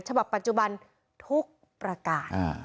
ฉบับปัจจุบันทุกประการ